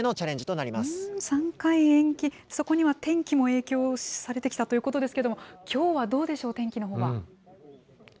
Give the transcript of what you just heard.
そこには天気も影響されてきたということですけれども、きょうはどうでしょう、天気のほうは？